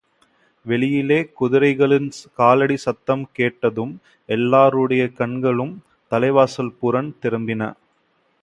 வெளியிலே குதிரைகளின் காலடிச் சத்தம் கேட்டதும் எல்லோருடைய கண்களும் தலைவாசல் புறம் திரும்பின.